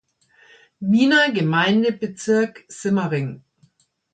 Wiener Gemeindebezirk Simmering.